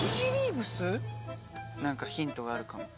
何かヒントがあるかも。